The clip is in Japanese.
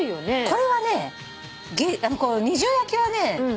これはね二重焼きはね